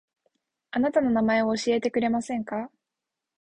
あなたの名前を教えてくれませんか